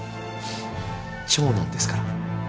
長男ですから。